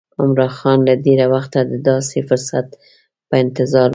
عمرا خان له ډېره وخته د داسې فرصت په انتظار و.